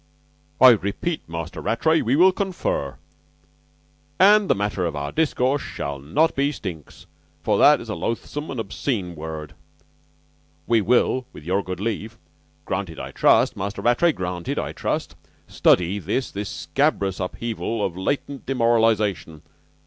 "I repeat, Master Rattray, we will confer, and the matter of our discourse shall not be stinks, for that is a loathsome and obscene word. We will, with your good leave granted, I trust, Master Rattray, granted, I trust study this this scabrous upheaval of latent demoralization.